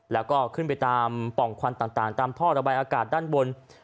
แล้วก็ขึ้นไปตามป่องควันต่างตามท่อระบายอากาศด้านบน